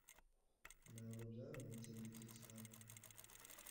Ntabwo byari umutingito cyane